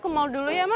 aku ke mall dulu ya ma